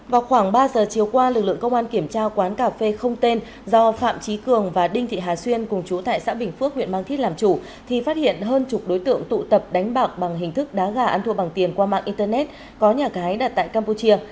vào khoảng ba giờ chiều qua lực lượng công an kiểm tra quán cà phê không tên do phạm trí cường và đinh thị hà xuyên cùng chú tại xã bình phước huyện mang thít làm chủ thì phát hiện hơn chục đối tượng tụ tập đánh bạc bằng hình thức đá gà ăn thua bằng tiền qua mạng internet có nhà gái đặt tại campuchia